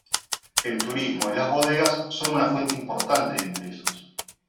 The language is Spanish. El turismo y las bodegas son una fuente importante de ingresos.